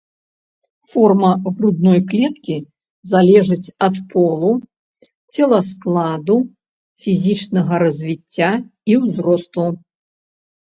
Форма грудной клеткі залежыць ад полу, целаскладу, фізічнага развіцця і ўзросту.